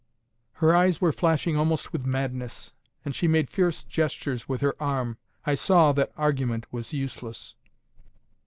Her eyes were flashing almost with madness, and she made fierce gestures with her arm. I saw that argument was useless.